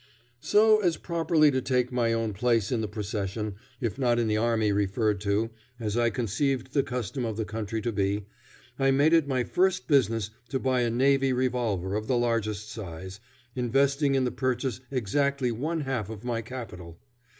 So as properly to take my own place in the procession, if not in the army referred to, as I conceived the custom of the country to be, I made it my first business to buy a navy revolver of the largest size, investing in the purchase exactly one half of my capital.